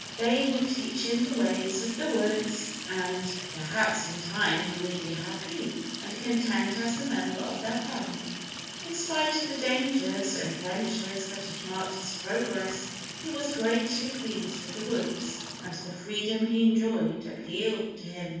They would teach him the ways of the woods, and perhaps, in time he would be happy and content as a member of their family. In spite of the dangers and ventures that had marked his progress, he was greatly pleased with the woods, and the freedom he enjoyed appealed to him.